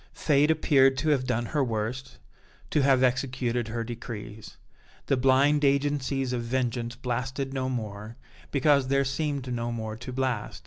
Fate appeared to have done her worst, to have executed her decrees. The blind agencies of vengeance blasted no more, because there seemed no more to blast.